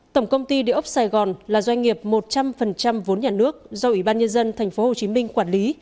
tổng công ty địa ốc sài gòn là doanh nghiệp một trăm linh vốn nhà nước do ủy ban nhân dân tp hcm quản lý